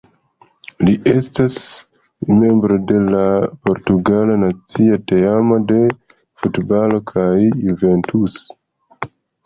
Li estas membro de la portugala nacia teamo de futbalo kaj Juventus.